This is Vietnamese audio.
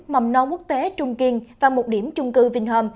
mầm non quốc tế trung kiên và một điểm trung cư vinh hơm